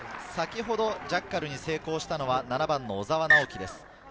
先ほどジャッカルに成功したのは７番の小澤直輝です。